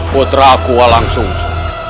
putra aku langsung